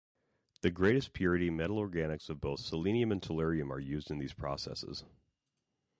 The greatest purity metalorganics of both selenium and tellurium are used in these processes.